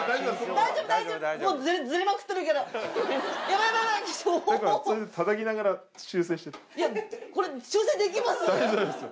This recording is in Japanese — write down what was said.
大丈夫ですよ。